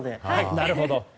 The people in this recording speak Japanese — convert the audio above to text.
なるほど！